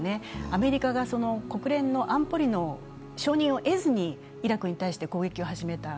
アメリカが国連の安保理の承認を得ずにイラクに対して攻撃を始めた。